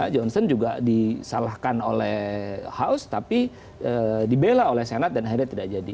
johnson juga disalahkan oleh house tapi dibela oleh senat dan akhirnya tidak jadi